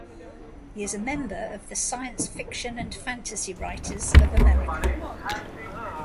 He is a member of the Science Fiction and Fantasy Writers of America.